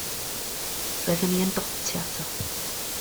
Roeddwn i yn dotio ato.